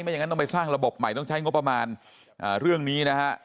อย่างนั้นต้องไปสร้างระบบใหม่ต้องใช้งบประมาณเรื่องนี้นะฮะ